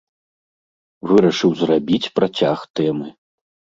Вырашыў зрабіць працяг тэмы.